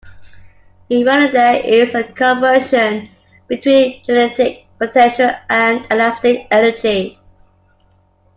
In running there is a conversion between kinetic, potential, and elastic energy.